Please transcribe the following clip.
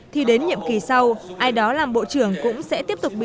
thì đến nhiệm kỳ sau ai đó làm bộ trưởng cũng sẽ tiếp tục bị